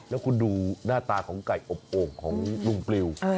แล้วคุณดูหน้าตาของไก่อบโอ่งของลุงปลิว